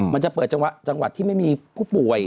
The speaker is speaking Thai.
มันจะเปิดจังหวัดที่ไม่มีผู้ป่วย